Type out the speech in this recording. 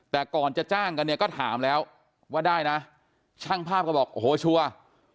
แต่ก่อนจะจ้างกันเนี่ยก็ถามแล้วว่าได้นะช่างภาพก็บอกโอ้โหชัวร์